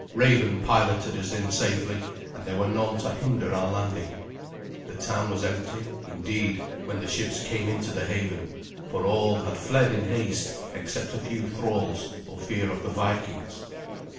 Raven piloted us in safely, and there were none to hinder our landing. The town was empty, indeed, when the ships came into the haven, for all had fled in haste, except a few thralls, for fear of the Vikings.